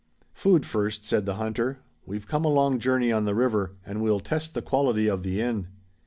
"Food first," said the hunter. "We've come a long journey on the river and we'll test the quality of the, inn."